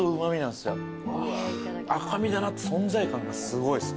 赤身だなって存在感がすごいです。